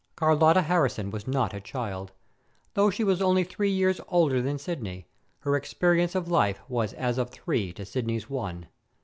Carlotta Harrison was not a child. Though she was only three years older than Sidney, her experience of life was as of three to Sidney's one.